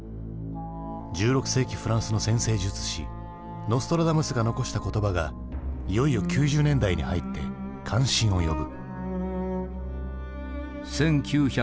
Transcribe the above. １６世紀フランスの占星術師ノストラダムスが残した言葉がいよいよ９０年代に入って関心を呼ぶ。